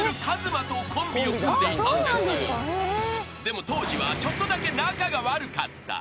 ［でも当時はちょっとだけ仲が悪かった］